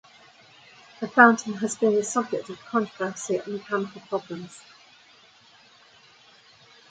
The fountain has been the subject of controversy and mechanical problems.